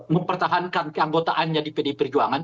mempertahankan keanggotaannya di pdi perjuangan